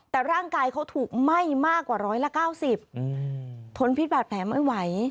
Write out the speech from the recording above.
แต่ร่างกายเขาถูกไหม้มากกว่าร้อยละ๙๐ทนพิษบาดแผลไม่ไหว